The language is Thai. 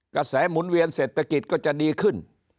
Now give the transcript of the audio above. หมุนเวียนเศรษฐกิจก็จะดีขึ้น